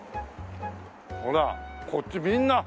ほらこっちみんな。